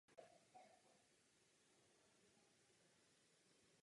Květy jsou jednotlivé úžlabní nebo v latách.